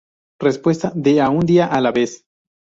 Respuesta: ¡De a un día a la vez!